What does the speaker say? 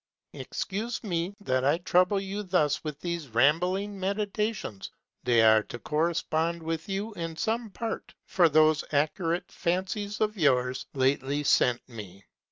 Excuse me that I trouble you thus with these rambling meditations ; they are to correspond with you in some part for those accurate fancies of yours lately sent me.